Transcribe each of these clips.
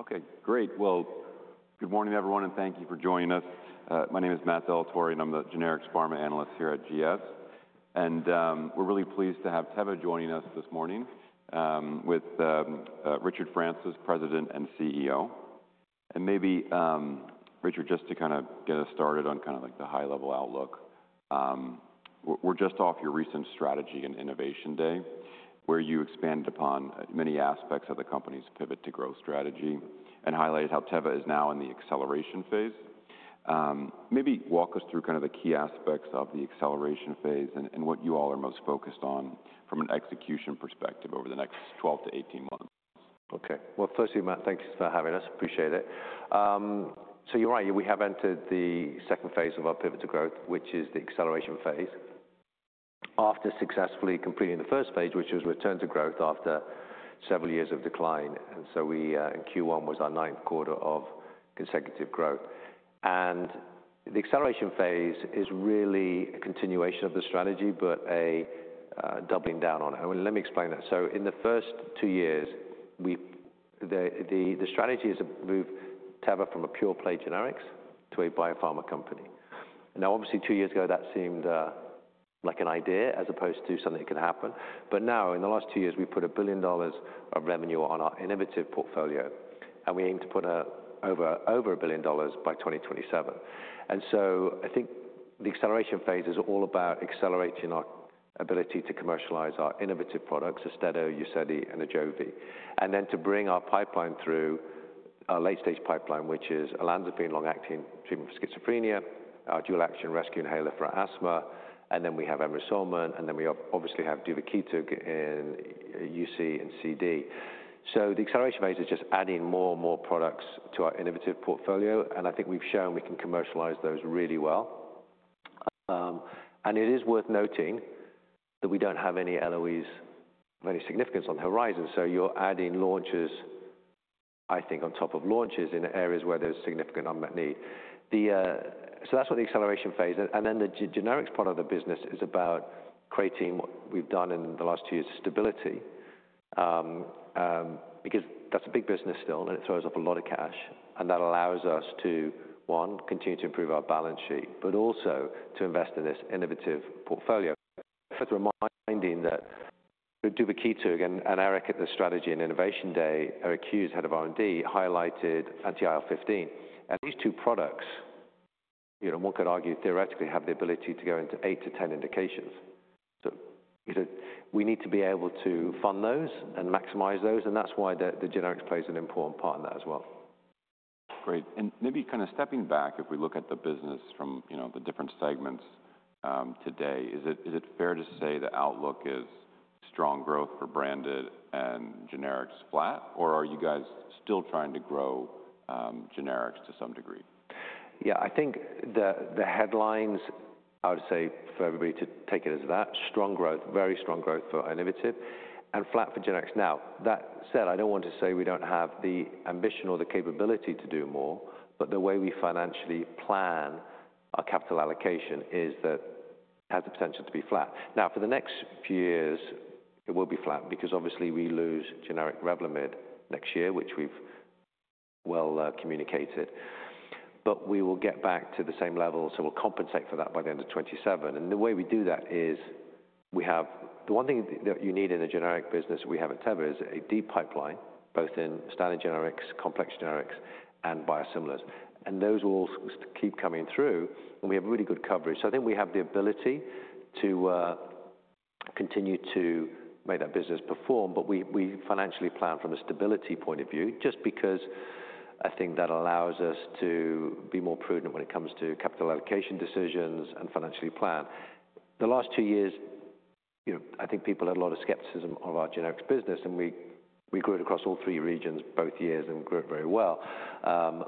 Okay, great. Good morning, everyone, and thank you for joining us. My name is Matt Delatorre, and I'm the Generics Pharma analyst here at GS. We're really pleased to have Teva joining us this morning with Richard Francis, President and CEO. Maybe, Richard, just to kind of get us started on the high-level outlook, we're just off your recent Strategy and Innovation Day, where you expanded upon many aspects of the company's pivot to growth strategy and highlighted how Teva is now in the acceleration phase. Maybe walk us through the key aspects of the acceleration phase and what you all are most focused on from an execution perspective over the next 12 months-18 months. Okay. Firstly, Matt, thanks for having us. Appreciate it. You're right, we have entered the second phase of our pivot to growth, which is the acceleration phase, after successfully completing the first phase, which was return to growth after several years of decline. In Q1, it was our ninth quarter of consecutive growth. The acceleration phase is really a continuation of the strategy, but a doubling down on it. Let me explain that. In the first two years, the strategy is to move Teva from a pure play generics to a biopharma company. Obviously, two years ago, that seemed like an idea as opposed to something that could happen. Now, in the last two years, we've put $1 billion of revenue on our innovative portfolio, and we aim to put over $1 billion by 2027. I think the acceleration phase is all about accelerating our ability to commercialize our innovative products, Austedo, UZEDY, and Ajovy, and then to bring our pipeline through our late-stage pipeline, which is olanzapine long-acting treatment for schizophrenia, our dual-action rescue inhaler for asthma, and then we have Emrusolmin. We obviously have duvakitug in UC and CD. The acceleration phase is just adding more and more products to our innovative portfolio. I think we've shown we can commercialize those really well. It is worth noting that we do not have any LOEs of any significance on the horizon. You are adding launches, I think, on top of launches in areas where there is significant unmet need. That is what the acceleration phase is. The generics part of the business is about creating what we have done in the last two years of stability, because that is a big business still, and it throws up a lot of cash. That allows us to, one, continue to improve our balance sheet, but also to invest in this innovative portfolio. Just reminding that duvakitug and Eric at the Strategy and Innovation Day, Eric Hughes, Head of R&D, highlighted Anti-IL-15. These two products, one could argue theoretically, have the ability to go into 8 indications-10 indications. We need to be able to fund those and maximize those. That is why the generics plays an important part in that as well. Great. Maybe kind of stepping back, if we look at the business from the different segments today, is it fair to say the outlook is strong growth for branded and generics flat? Or are you guys still trying to grow generics to some degree? Yeah, I think the headlines, I would say for everybody to take it as that, strong growth, very strong growth for innovative, and flat for generics. Now, that said, I do not want to say we do not have the ambition or the capability to do more, but the way we financially plan our capital allocation is that it has the potential to be flat. Now, for the next few years, it will be flat, because obviously we lose generic Revlimid next year, which we have well communicated. We will get back to the same level. We will compensate for that by the end of 2027. The way we do that is we have the one thing that you need in a generic business that we have at Teva is a deep pipeline, both in standard generics, complex generics, and biosimilars. Those will keep coming through, and we have really good coverage. I think we have the ability to continue to make that business perform, but we financially plan from a stability point of view, just because I think that allows us to be more prudent when it comes to capital allocation decisions and financially plan. The last two years, I think people had a lot of skepticism of our generics business, and we grew it across all three regions both years and grew it very well.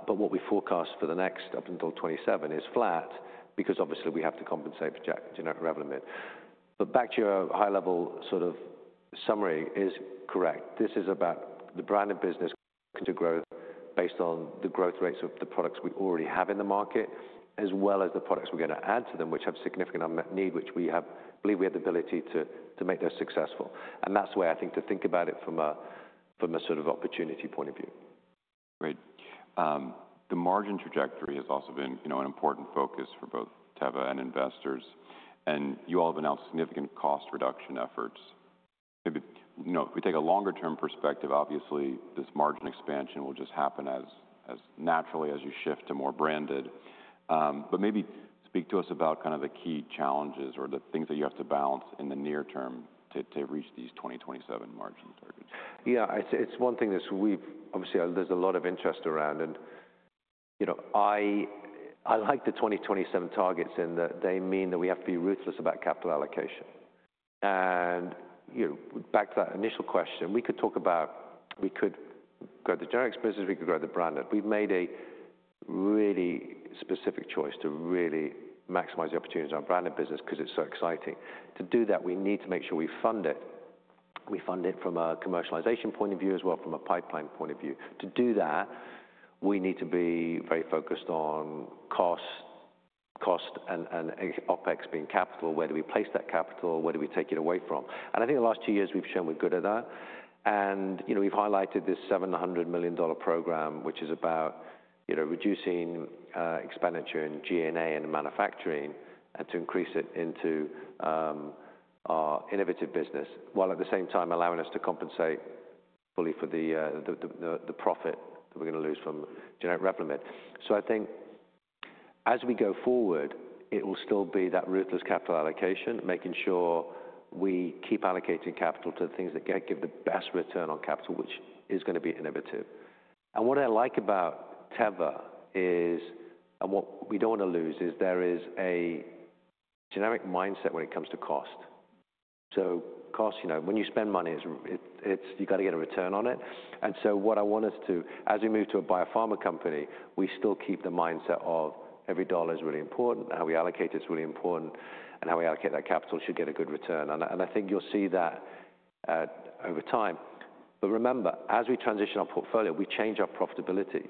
What we forecast for the next up until 2027 is flat, because obviously we have to compensate for generic Revlimid. Back to your high-level sort of summary, that is correct. This is about the branded business looking to growth based on the growth rates of the products we already have in the market, as well as the products we're going to add to them, which have significant unmet need, which we believe we have the ability to make those successful. That is the way I think to think about it from a sort of opportunity point of view. Great. The margin trajectory has also been an important focus for both Teva and investors. You all have announced significant cost reduction efforts. If we take a longer-term perspective, obviously this margin expansion will just happen as naturally as you shift to more branded. Maybe speak to us about kind of the key challenges or the things that you have to balance in the near term to reach these 2027 margin targets. Yeah, it's one thing that we've obviously there's a lot of interest around. I like the 2027 targets in that they mean that we have to be ruthless about capital allocation. Back to that initial question, we could talk about we could grow the generics business, we could grow the branded. We've made a really specific choice to really maximize the opportunities in our branded business, because it's so exciting. To do that, we need to make sure we fund it. We fund it from a commercialization point of view as well, from a pipeline point of view. To do that, we need to be very focused on cost and OpEx being capital. Where do we place that capital? Where do we take it away from? I think the last two years we've shown we're good at that. We have highlighted this $700 million program, which is about reducing expenditure in G&A and manufacturing and to increase it into our innovative business, while at the same time allowing us to compensate fully for the profit that we are going to lose from generic Revlimid. I think as we go forward, it will still be that ruthless capital allocation, making sure we keep allocating capital to the things that give the best return on capital, which is going to be innovative. What I like about Teva is, and what we do not want to lose is there is a generic mindset when it comes to cost. Cost, when you spend money, you have got to get a return on it. What I want us to, as we move to a biopharma company, we still keep the mindset of every dollar is really important, how we allocate it is really important, and how we allocate that capital should get a good return. I think you'll see that over time. Remember, as we transition our portfolio, we change our profitability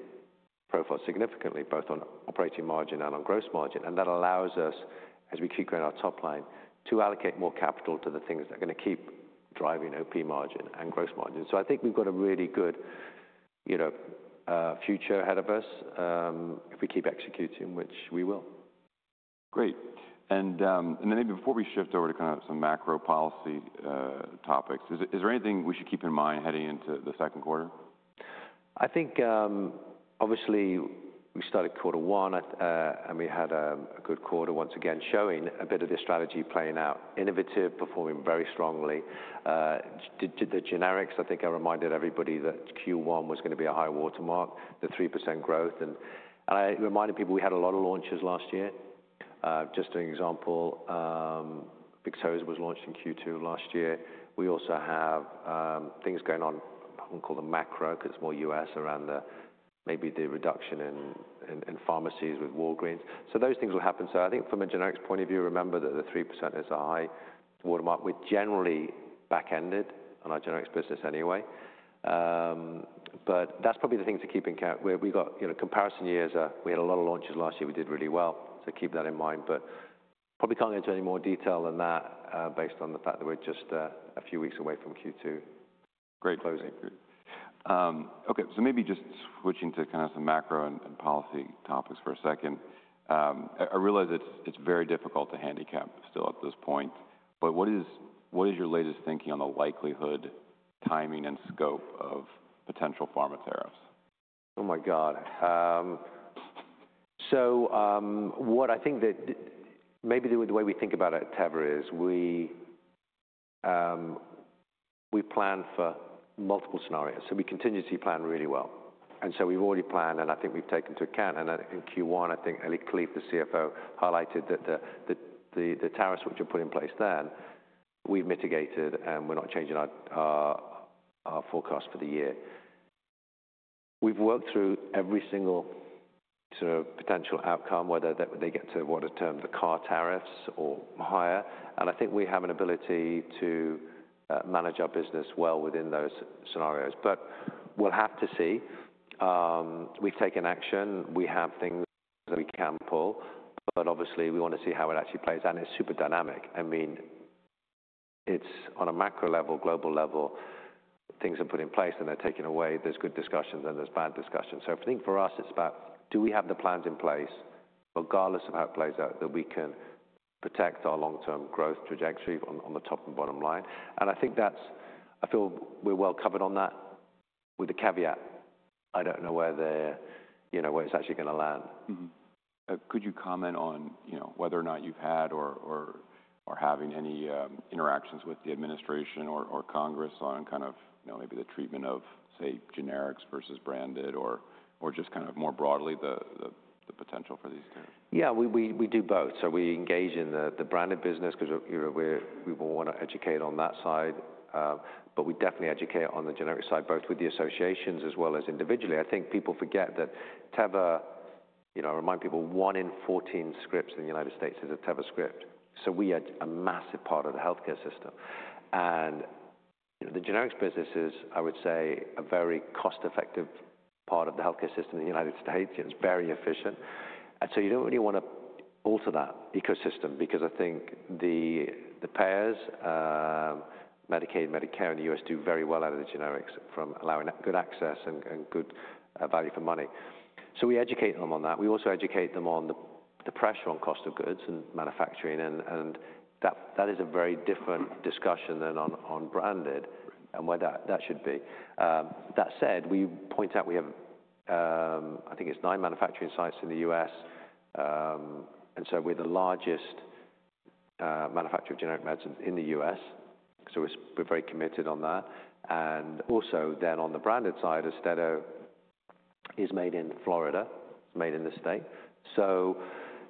profile significantly, both on operating margin and on gross margin. That allows us, as we keep growing our top line, to allocate more capital to the things that are going to keep driving OP margin and gross margin. I think we've got a really good future ahead of us if we keep executing, which we will. Great. Maybe before we shift over to kind of some macro policy topics, is there anything we should keep in mind heading into the second quarter? I think obviously we started quarter one, and we had a good quarter once again showing a bit of this strategy playing out, innovative performing very strongly. The generics, I think I reminded everybody that Q1 was going to be a high watermark, the 3% growth. I reminded people we had a lot of launches last year. Just an example, Victosa was launched in Q2 last year. We also have things going on, one called the macro, because it is more U.S. around maybe the reduction in pharmacies with Walgreens. Those things will happen. I think from a generics point of view, remember that the 3% is a high watermark. We are generally back-ended on our generics business anyway. That is probably the thing to keep in account. We have got comparison years. We had a lot of launches last year. We did really well. Keep that in mind. I probably can't get into any more detail than that based on the fact that we're just a few weeks away from Q2. Great closing. Okay, so maybe just switching to kind of some macro and policy topics for a second. I realize it's very difficult to handicap still at this point, but what is your latest thinking on the likelihood, timing, and scope of potential pharma tariffs? Oh my God. What I think that maybe the way we think about it at Teva is we plan for multiple scenarios. We continuously plan really well. We have already planned, and I think we have taken into account. In Q1, I think Eli Kalif, the CFO, highlighted that the tariffs which were put in place then, we have mitigated, and we are not changing our forecast for the year. We have worked through every single sort of potential outcome, whether they get to what are termed the car tariffs or higher. I think we have an ability to manage our business well within those scenarios. We will have to see. We have taken action. We have things that we can pull. Obviously, we want to see how it actually plays. It is super dynamic. I mean, it's on a macro level, global level, things are put in place, and they're taken away. There's good discussions, and there's bad discussions. I think for us, it's about do we have the plans in place, regardless of how it plays out, that we can protect our long-term growth trajectory on the top and bottom line. I think that's I feel we're well covered on that with the caveat, I don't know where it's actually going to land. Could you comment on whether or not you've had or are having any interactions with the administration or Congress on kind of maybe the treatment of, say, generics versus branded, or just kind of more broadly the potential for these tariffs? Yeah, we do both. We engage in the branded business, because we want to educate on that side. We definitely educate on the generic side, both with the associations as well as individually. I think people forget that Teva, I remind people, one in 14 scripts in the United States is a Teva script. We are a massive part of the healthcare system. The generics business is, I would say, a very cost-effective part of the healthcare system in the United States. It is very efficient. You do not really want to alter that ecosystem, because I think the payers, Medicaid, Medicare in the U.S., do very well out of the generics from allowing good access and good value for money. We educate them on that. We also educate them on the pressure on cost of goods and manufacturing. That is a very different discussion than on branded and where that should be. That said, we point out we have, I think it is nine manufacturing sites in the U.S. We are the largest manufacturer of generic medicines in the U.S. We are very committed on that. Also, on the branded side, Austedo is made in Florida, made in the state.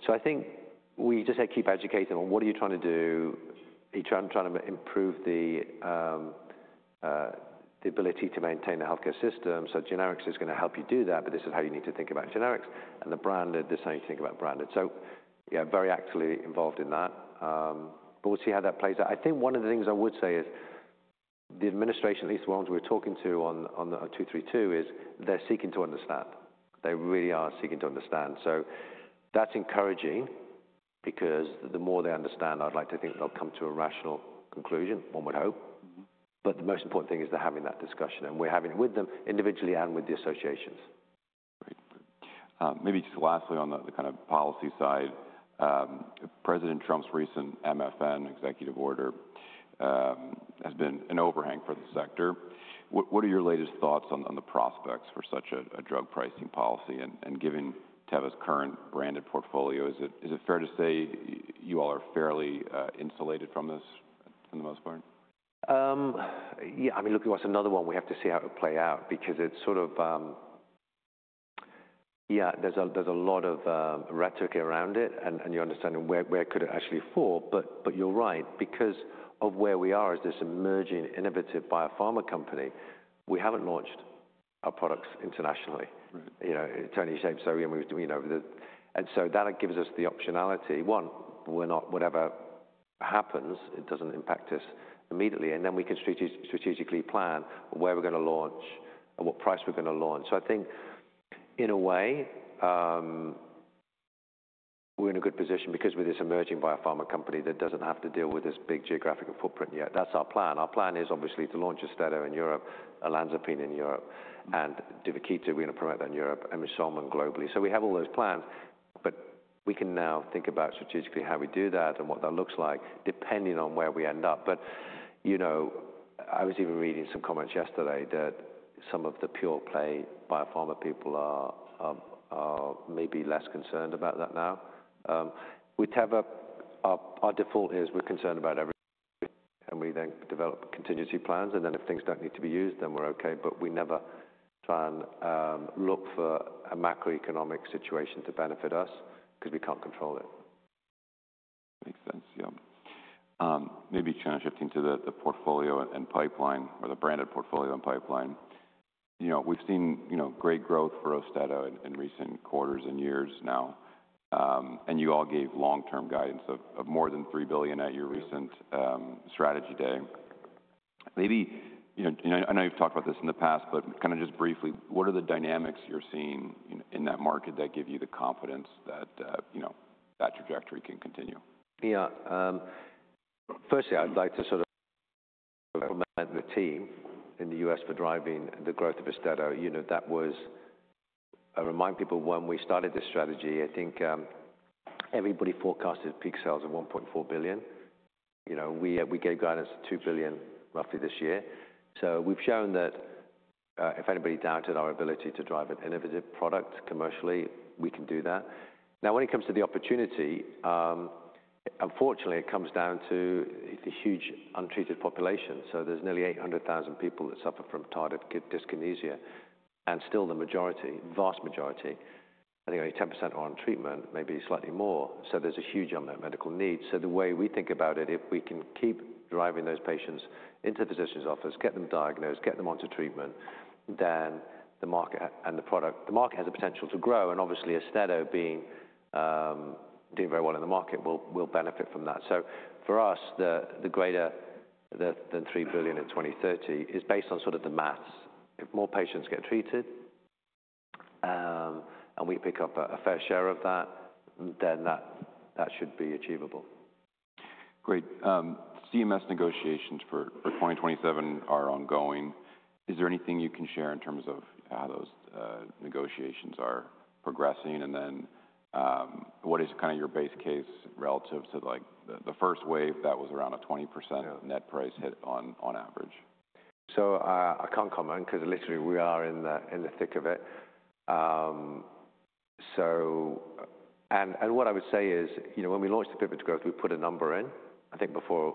I think we just keep educating on what are you trying to do. Are you trying to improve the ability to maintain the healthcare system? Generics is going to help you do that, but this is how you need to think about generics. The branded, the same thing about branded. Yeah, very actively involved in that. We will see how that plays out. I think one of the things I would say is the administration, at least the ones we're talking to on 232, is they're seeking to understand. They really are seeking to understand. That is encouraging, because the more they understand, I'd like to think they'll come to a rational conclusion, one would hope. The most important thing is they're having that discussion. We are having it with them individually and with the associations. Great. Maybe just lastly on the kind of policy side, President Trump's recent MFN executive order has been an overhang for the sector. What are your latest thoughts on the prospects for such a drug pricing policy and given Teva's current branded portfolio? Is it fair to say you all are fairly insulated from this for the most part? Yeah, I mean, look, it was another one we have to see how it would play out, because it's sort of, yeah, there's a lot of rhetoric around it and your understanding where could it actually fall. You're right, because of where we are as this emerging innovative biopharma company, we haven't launched our products internationally. It's only shame. That gives us the optionality. One, whatever happens, it doesn't impact us immediately. We can strategically plan where we're going to launch and what price we're going to launch. I think in a way, we're in a good position, because we're this emerging biopharma company that doesn't have to deal with this big geographical footprint yet. That's our plan. Our plan is obviously to launch Austedo in Europe, olanzapine in Europe, and duvakitug, we're going to promote that in Europe, and Emrusolmin globally. We have all those plans, but we can now think about strategically how we do that and what that looks like, depending on where we end up. I was even reading some comments yesterday that some of the pure play biopharma people are maybe less concerned about that now. With Teva, our default is we're concerned about everything. We then develop contingency plans. If things do not need to be used, then we're okay. We never try and look for a macroeconomic situation to benefit us, because we can't control it. Makes sense. Yeah. Maybe trying to shift into the portfolio and pipeline, or the branded portfolio and pipeline. We've seen great growth for Austedo in recent quarters and years now. And you all gave long-term guidance of more than $3 billion at your recent strategy day. Maybe I know you've talked about this in the past, but kind of just briefly, what are the dynamics you're seeing in that market that give you the confidence that that trajectory can continue? Yeah. Firstly, I'd like to sort of commend the team in the U.S. for driving the growth of Austedo. That was, I remind people, when we started this strategy, I think everybody forecasted peak sales of $1.4 billion. We gave guidance to $2 trillion roughly this year. We've shown that if anybody doubted our ability to drive an innovative product commercially, we can do that. Now, when it comes to the opportunity, unfortunately, it comes down to the huge untreated population. There's nearly 800,000 people that suffer from tardive dyskinesia. Still the majority, vast majority, I think only 10% are on treatment, maybe slightly more. There's a huge unmet medical need. The way we think about it, if we can keep driving those patients into physicians' office, get them diagnosed, get them onto treatment, then the market and the product, the market has the potential to grow. Obviously, Austedo being doing very well in the market will benefit from that. For us, the greater than $3 billion in 2030 is based on sort of the maths. If more patients get treated and we pick up a fair share of that, then that should be achievable. Great. CMS negotiations for 2027 are ongoing. Is there anything you can share in terms of how those negotiations are progressing? What is kind of your base case relative to the first wave that was around a 20% net price hit on average? I can't comment, because literally we are in the thick of it. What I would say is when we launched the pivot to growth, we put a number in. I think before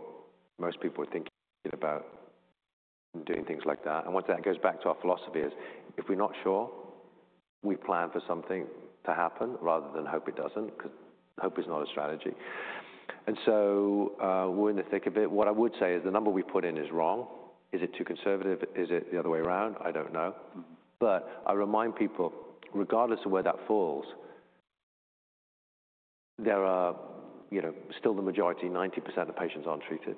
most people were thinking about doing things like that. That goes back to our philosophy: if we're not sure, we plan for something to happen rather than hope it does not, because hope is not a strategy. We are in the thick of it. What I would say is the number we put in is wrong. Is it too conservative? Is it the other way around? I do not know. I remind people, regardless of where that falls, there are still the majority, 90% of patients are not treated.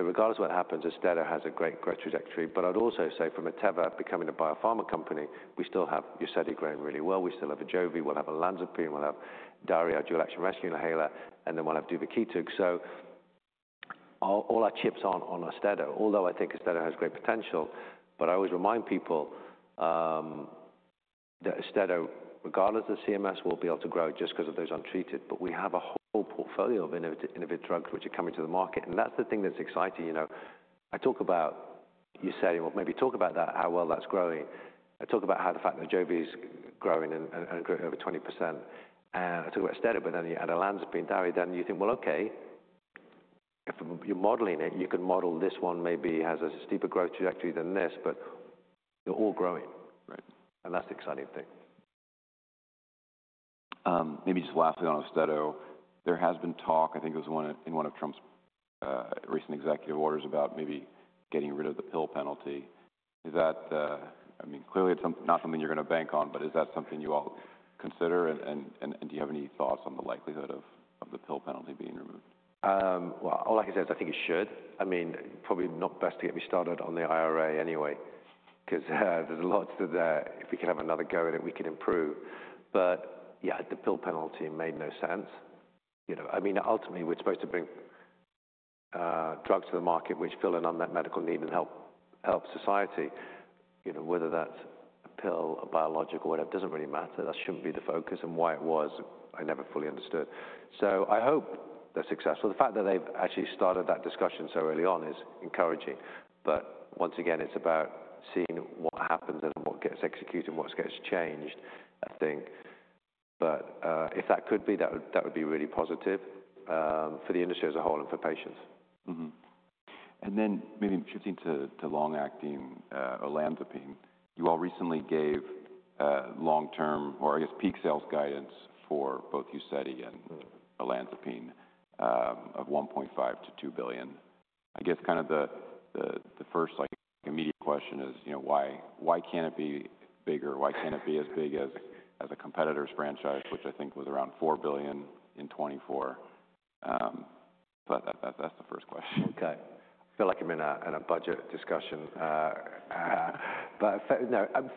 Regardless of what happens, Austedo has a great growth trajectory. I'd also say from a Teva becoming a biopharma company, we still have UZEDY growing really well. We still have Ajovy. We'll have olanzapine. We'll have DARI (Dual Action Rescue Inhaler). And then we'll have duvakitug. All our chips are not on Austedo, although I think Austedo has great potential. I always remind people that Austedo, regardless of CMS, will be able to grow just because of those untreated. We have a whole portfolio of innovative drugs which are coming to the market. That's the thing that's exciting. I talk about UZEDY, maybe talk about that, how well that's growing. I talk about how the fact that Ajovy is growing and growing over 20%. I talk about Austedo, but then you add olanzapine, DARI, then you think, okay, if you're modeling it, you can model this one maybe has a steeper growth trajectory than this, but they're all growing. That's the exciting thing. Maybe just lastly on Austedo, there has been talk, I think it was in one of Trump's recent executive orders about maybe getting rid of the pill penalty. Is that, I mean, clearly not something you're going to bank on, but is that something you all consider? And do you have any thoughts on the likelihood of the pill penalty being removed? All I can say is I think it should. I mean, probably not best to get me started on the IRA anyway, because there is lots that if we can have another go at it, we can improve. Yeah, the pill penalty made no sense. I mean, ultimately, we are supposed to bring drugs to the market which fill an unmet medical need and help society. Whether that is a pill, a biologic, or whatever, it does not really matter. That should not be the focus. Why it was, I never fully understood. I hope they are successful. The fact that they have actually started that discussion so early on is encouraging. Once again, it is about seeing what happens and what gets executed and what gets changed, I think. If that could be, that would be really positive for the industry as a whole and for patients. Maybe shifting to long-acting olanzapine, you all recently gave long-term or, I guess, peak sales guidance for both UZEDY and olanzapine of $1.5 billion-$2 billion. I guess kind of the first immediate question is, why can't it be bigger? Why can't it be as big as a competitor's franchise, which I think was around $4 billion in 2024? That is the first question. Okay. I feel like I'm in a budget discussion.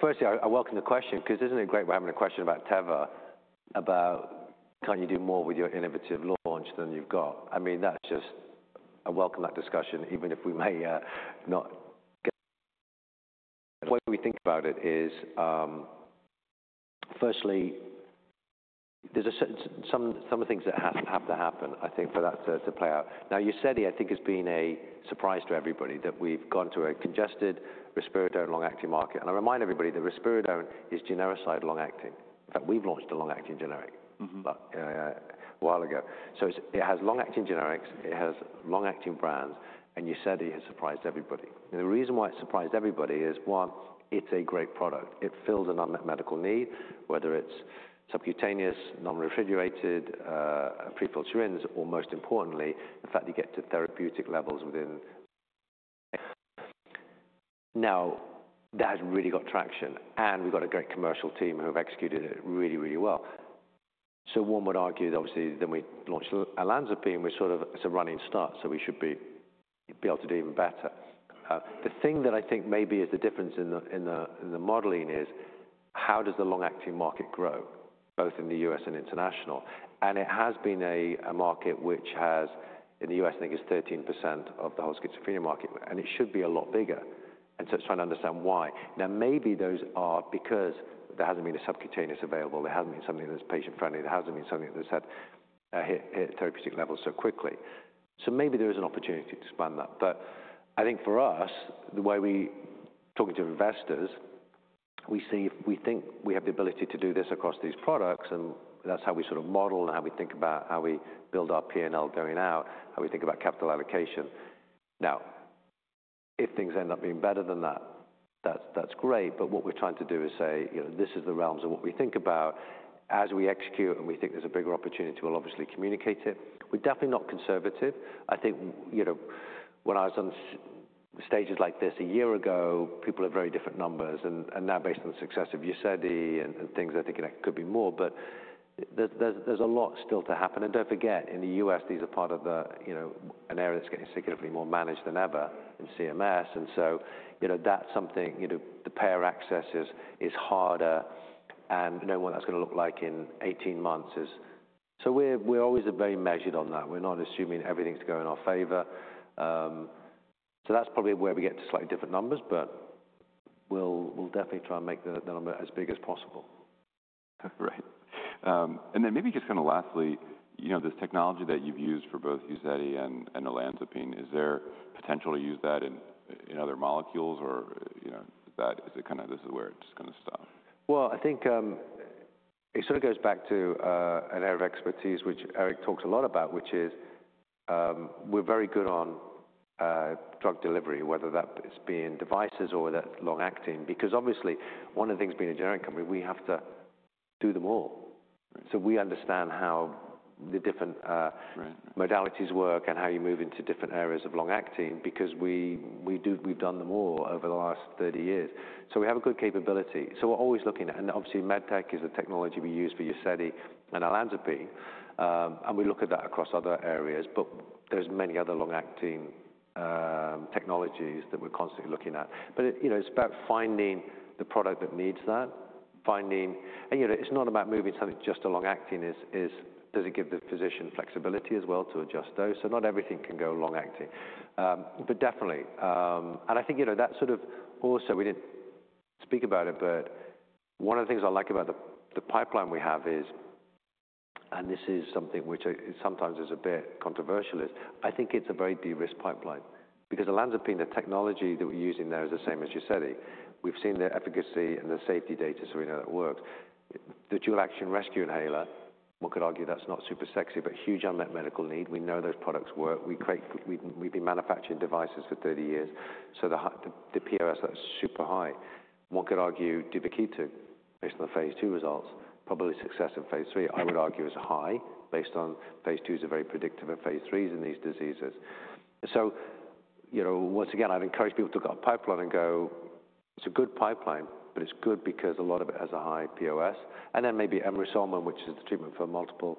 Firstly, I welcome the question, because isn't it great we're having a question about Teva about can you do more with your innovative launch than you've got? I mean, I welcome that discussion, even if we may not get. What we think about it is, firstly, there's some of the things that have to happen, I think, for that to play out. Now, UZEDY, I think, has been a surprise to everybody that we've gone to a congested risperidone long-acting market. I remind everybody that risperidone is genericized long-acting. In fact, we've launched a long-acting generic a while ago. It has long-acting generics. It has long-acting brands. UZEDY has surprised everybody. The reason why it surprised everybody is, one, it's a great product. It fills an unmet medical need, whether it's subcutaneous, non-refrigerated, pre-filled syringes, or most importantly, the fact you get to therapeutic levels within. That has really got traction. We've got a great commercial team who have executed it really, really well. One would argue that obviously then we launched olanzapine, we're sort of, it's a running start, so we should be able to do even better. The thing that I think maybe is the difference in the modeling is how does the long-acting market grow, both in the U.S. and international? It has been a market which has in the U.S., I think, is 13% of the whole schizophrenia market. It should be a lot bigger. It's trying to understand why. Maybe those are because there hasn't been a subcutaneous available. There hasn't been something that's patient-friendly. There hasn't been something that's hit therapeutic levels so quickly. Maybe there is an opportunity to expand that. I think for us, the way we talk to investors, we think we have the ability to do this across these products. That's how we sort of model and how we think about how we build our P&L going out, how we think about capital allocation. Now, if things end up being better than that, that's great. What we're trying to do is say, this is the realms of what we think about. As we execute and we think there's a bigger opportunity, we'll obviously communicate it. We're definitely not conservative. I think when I was on stages like this a year ago, people had very different numbers. Now, based on the success of UZEDY and things, I think it could be more. There is a lot still to happen. Do not forget, in the U.S., these are part of an area that is getting significantly more managed than ever in CMS. That is something where payer access is harder. Knowing what that is going to look like in 18 months is. We are always very measured on that. We are not assuming everything is going in our favor. That is probably where we get to slightly different numbers. We will definitely try and make the number as big as possible. Right. And then maybe just kind of lastly, this technology that you've used for both UZEDY and olanzapine, is there potential to use that in other molecules? Or is it kind of this is where it's going to stop? I think it sort of goes back to an area of expertise which Eric talked a lot about, which is we're very good on drug delivery, whether that's being devices or that's long-acting. Because obviously, one of the things being a generic company, we have to do them all. So we understand how the different modalities work and how you move into different areas of long-acting, because we've done them all over the last 30 years. We have a good capability. We're always looking at it. Obviously, med tech is the technology we use for UZEDY and olanzapine. We look at that across other areas. There are many other long-acting technologies that we're constantly looking at. It's about finding the product that needs that. It's not about moving something just to long-acting. Does it give the physician flexibility as well to adjust dose? Not everything can go long-acting. Definitely, I think that sort of also, we did not speak about it, but one of the things I like about the pipeline we have is, and this is something which sometimes is a bit controversial, I think it is a very de-risked pipeline. Because olanzapine, the technology that we are using there is the same as UZEDY. We have seen the efficacy and the safety data, so we know that works. The dual action rescue inhaler, one could argue that is not super sexy, but huge unmet medical need. We know those products work. We have been manufacturing devices for 30 years. The POS, that is super high. One could argue duvakitug, based on the phase II results, probably success in phase III, I would argue is high, based on phase II is very predictive of phase III in these diseases. Once again, I'd encourage people to look at our pipeline and go, it's a good pipeline, but it's good because a lot of it has a high POS. And then maybe Emrusolmin, which is the treatment for multiple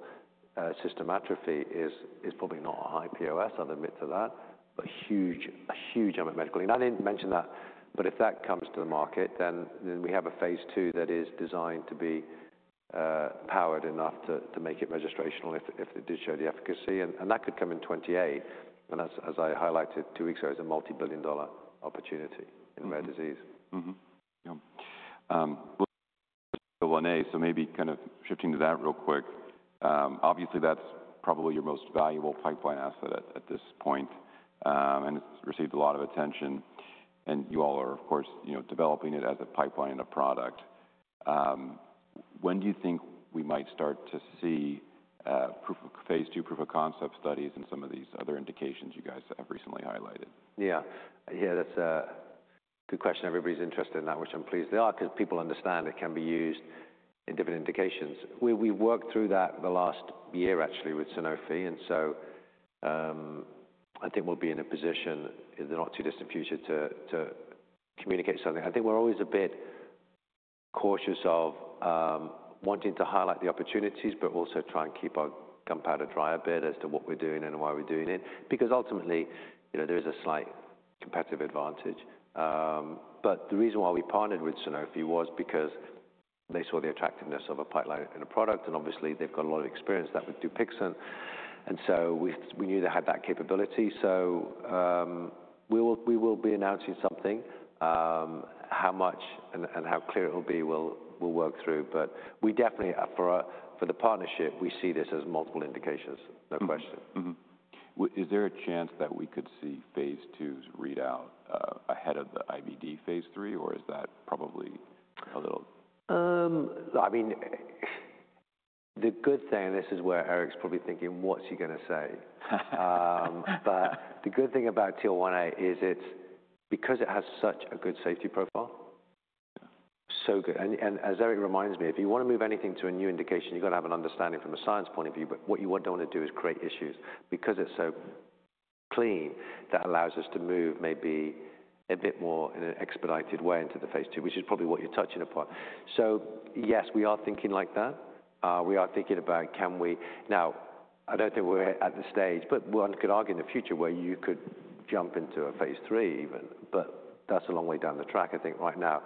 system atrophy, is probably not a high POS, I'll admit to that, but a huge unmet medical need. I didn't mention that. If that comes to the market, then we have a phase II that is designed to be powered enough to make it registrational if it did show the efficacy. That could come in 2028. As I highlighted two weeks ago, it's a multi-billion dollar opportunity in rare disease. Yeah. That's a one A. Maybe kind of shifting to that real quick. Obviously, that's probably your most valuable pipeline asset at this point. It's received a lot of attention. You all are, of course, developing it as a pipeline and a product. When do you think we might start to see phase II proof of concept studies in some of these other indications you guys have recently highlighted? Yeah. Yeah, that's a good question. Everybody's interested in that, which I'm pleased they are, because people understand it can be used in different indications. We've worked through that the last year, actually, with Sanofi. I think we'll be in a position in the not too distant future to communicate something. I think we're always a bit cautious of wanting to highlight the opportunities, but also try and keep our gunpowder dry a bit as to what we're doing and why we're doing it. Because ultimately, there is a slight competitive advantage. The reason why we partnered with Sanofi was because they saw the attractiveness of a pipeline and a product. Obviously, they've got a lot of experience with DUPIXENT. We knew they had that capability. We will be announcing something. How much and how clear it will be, we'll work through. We definitely, for the partnership, see this as multiple indications, no question. Is there a chance that we could see phase II readout ahead of the IBD phase III? Or is that probably a little? I mean, the good thing, and this is where Eric's probably thinking, what's he going to say? The good thing about TL1A is it's because it has such a good safety profile. So good. As Eric reminds me, if you want to move anything to a new indication, you've got to have an understanding from a science point of view. What you don't want to do is create issues. Because it's so clean, that allows us to move maybe a bit more in an expedited way into the phase II, which is probably what you're touching upon. Yes, we are thinking like that. We are thinking about can we now, I don't think we're at the stage, but one could argue in the future where you could jump into a phase III even. That's a long way down the track. I think right now,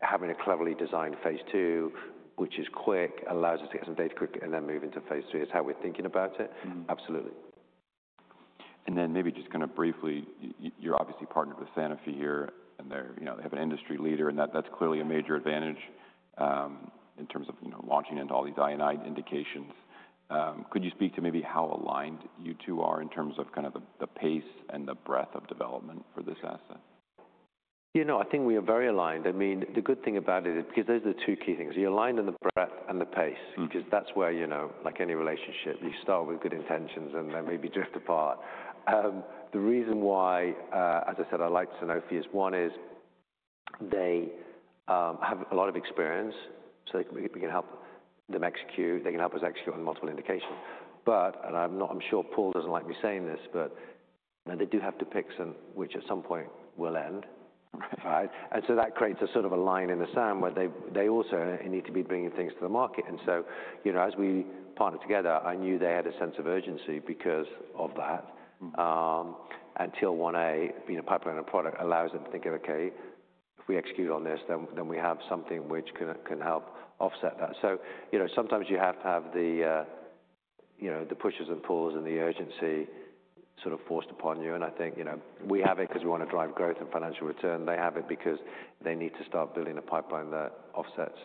having a cleverly designed phase III, which is quick, allows us to get some data quick and then move into phase III is how we're thinking about it. Absolutely. Maybe just kind of briefly, you're obviously partnered with Sanofi here. They have an industry leader, and that's clearly a major advantage in terms of launching into all these INI indications. Could you speak to maybe how aligned you two are in terms of kind of the pace and the breadth of development for this asset? You know, I think we are very aligned. I mean, the good thing about it is because those are the two key things. You're aligned on the breadth and the pace, because that's where, like any relationship, you start with good intentions and then maybe drift apart. The reason why, as I said, I like Sanofi is one is they have a lot of experience. So we can help them execute. They can help us execute on multiple indications. But, and I'm sure Paul doesn't like me saying this, but they do have DUPIXENT, which at some point will end. That creates a sort of a line in the sand where they also need to be bringing things to the market. As we partnered together, I knew they had a sense of urgency because of that. TL1A, being a pipeline and a product, allows them to think of, okay, if we execute on this, then we have something which can help offset that. Sometimes you have to have the pushes and pulls and the urgency sort of forced upon you. I think we have it because we want to drive growth and financial return. They have it because they need to start building a pipeline that offsets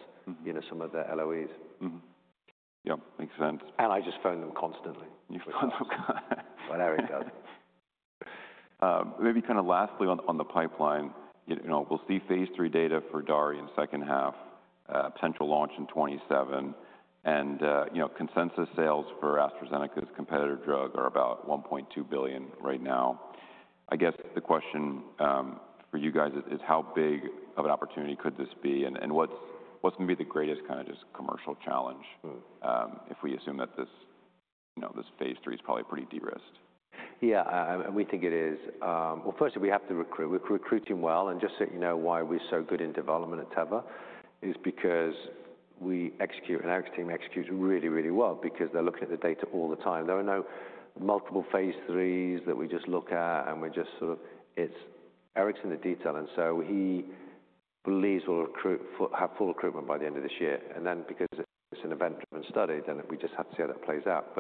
some of their LOEs. Yeah. Makes sense. I just phone them constantly. You phone them. Whenever it does. Maybe kind of lastly on the pipeline, we'll see phase III data for DARI in second half, potential launch in 2027. Consensus sales for AstraZeneca's competitor drug are about $1.2 billion right now. I guess the question for you guys is, how big of an opportunity could this be? What's going to be the greatest kind of just commercial challenge if we assume that this phase III is probably pretty de-risked? Yeah, we think it is. Firstly, we have to recruit. We're recruiting well. And just so you know why we're so good in development at Teva is because we execute, and Eric's team executes really, really well because they're looking at the data all the time. There are no multiple phase III that we just look at and we're just sort of it's Eric's in the detail. He believes we'll have full recruitment by the end of this year. Because it's an event-driven study, we just have to see how that plays out.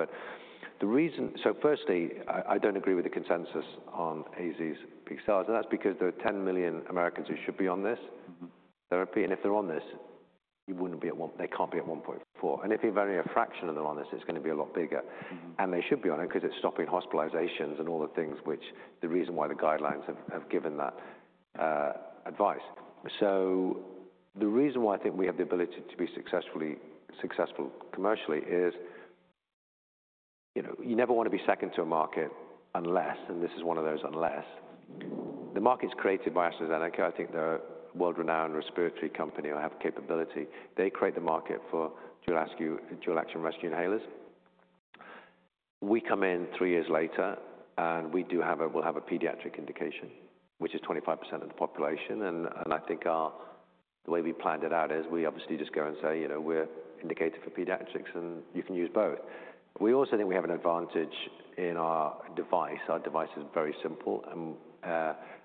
The reason, firstly, I don't agree with the consensus on AZ's PCRs is because there are 10 million Americans who should be on this therapy. If they're on this, they can't be at 1.4. If even only a fraction of them are on this, it's going to be a lot bigger. They should be on it because it's stopping hospitalizations and all the things which are the reason why the guidelines have given that advice. The reason why I think we have the ability to be successful commercially is you never want to be second to a market unless, and this is one of those unless. The market's created by AstraZeneca. I think they're a world-renowned respiratory company or have capability. They create the market for dual action rescue inhalers. We come in three years later, and we do have a pediatric indication, which is 25% of the population. I think the way we planned it out is we obviously just go and say, we're indicated for pediatrics, and you can use both. We also think we have an advantage in our device. Our device is very simple.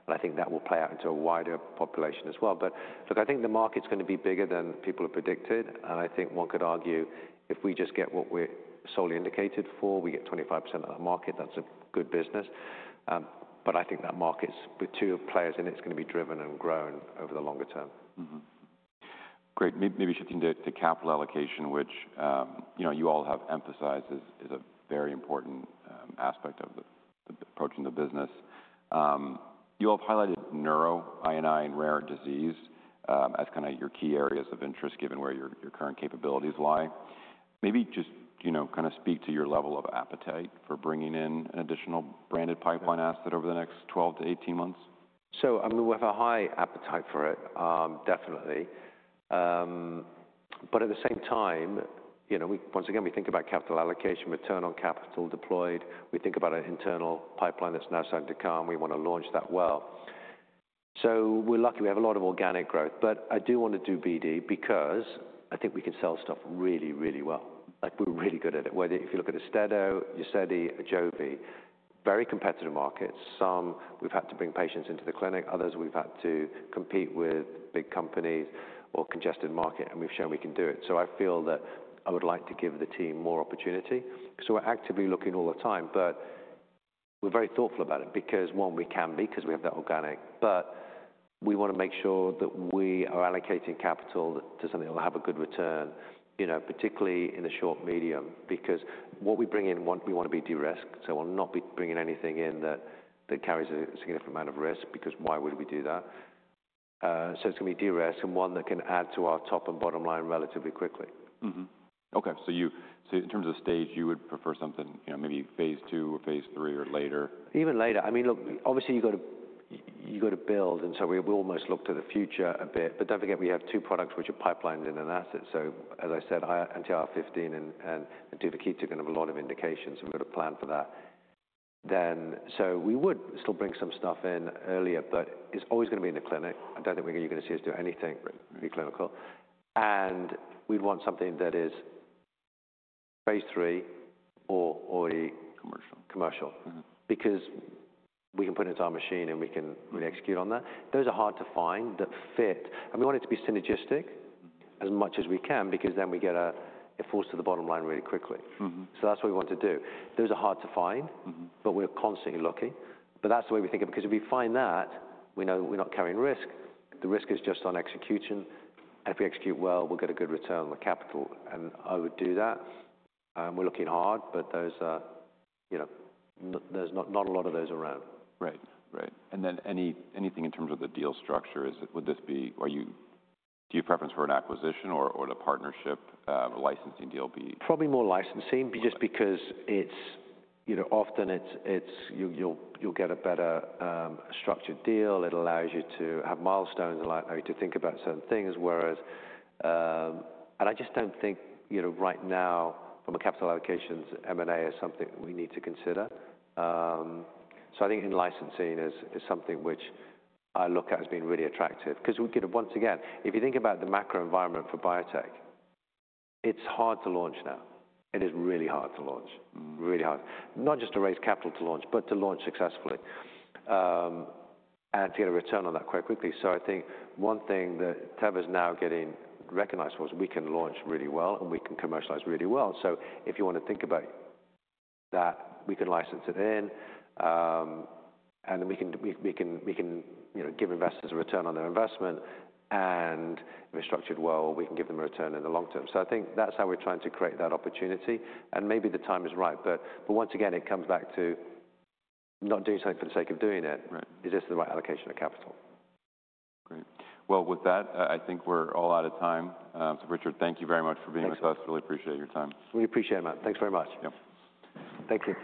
I think that will play out into a wider population as well. Look, I think the market's going to be bigger than people have predicted. I think one could argue if we just get what we're solely indicated for, we get 25% of the market, that's a good business. I think that market's with two players in it, it's going to be driven and grown over the longer term. Great. Maybe shifting to capital allocation, which you all have emphasized is a very important aspect of approaching the business. You all have highlighted neuro, INI, and rare disease as kind of your key areas of interest given where your current capabilities lie. Maybe just kind of speak to your level of appetite for bringing in an additional branded pipeline asset over the next 12 months-18 months. I mean, we have a high appetite for it, definitely. At the same time, once again, we think about capital allocation, return on capital deployed. We think about an internal pipeline that's now starting to come. We want to launch that well. We're lucky. We have a lot of organic growth. I do want to do BD because I think we can sell stuff really, really well. We're really good at it. Whether if you look at Austedo, UZEDY, Ajovy, very competitive markets. Some we've had to bring patients into the clinic. Others we've had to compete with big companies or congested market. We've shown we can do it. I feel that I would like to give the team more opportunity. We're actively looking all the time. We're very thoughtful about it because, one, we can be because we have that organic. We want to make sure that we are allocating capital to something that will have a good return, particularly in the short medium. Because what we bring in, we want to be de-risked. So we'll not be bringing anything in that carries a significant amount of risk because why would we do that? It's going to be de-risked and one that can add to our top and bottom line relatively quickly. Okay. So in terms of stage, you would prefer something maybe phase II or phase III or later? Even later. I mean, look, obviously, you've got to build. We almost look to the future a bit. Do not forget, we have two products which are pipelines and an asset. As I said, anti-IL-15 and duvakitug are going to have a lot of indications. We have to plan for that. We would still bring some stuff in earlier, but it is always going to be in the clinic. I do not think you are going to see us do anything preclinical. We would want something that is phase III or. Commercial. Commercial. Because we can put it into our machine, and we can execute on that. Those are hard to find that fit. We want it to be synergistic as much as we can because then we get a it falls to the bottom line really quickly. That is what we want to do. Those are hard to find, but we're constantly looking. That is the way we think of it. If we find that, we know we're not carrying risk. The risk is just on execution. If we execute well, we'll get a good return on the capital. I would do that. We're looking hard. There are not a lot of those around. Right. Right. And then anything in terms of the deal structure, would this be, do you have preference for an acquisition or a partnership licensing deal? Probably more licensing just because often you'll get a better structured deal. It allows you to have milestones and allow you to think about certain things. I just don't think right now, from a capital allocations, M&A is something we need to consider. I think in licensing is something which I look at as being really attractive. Once again, if you think about the macro environment for biotech, it's hard to launch now. It is really hard to launch. Really hard. Not just to raise capital to launch, but to launch successfully and to get a return on that quite quickly. I think one thing that Teva's now getting recognized for is we can launch really well, and we can commercialize really well. If you want to think about that, we can license it in. We can give investors a return on their investment. If it is structured well, we can give them a return in the long term. I think that is how we are trying to create that opportunity. Maybe the time is right. Once again, it comes back to not doing something for the sake of doing it. Is this the right allocation of capital? Great. With that, I think we're all out of time. Richard, thank you very much for being with us. Really appreciate your time. We appreciate it, Matt. Thanks very much. Yeah. Thank you.